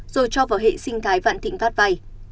rồi cho vào hệ sinh thái vạn thịnh pháp vay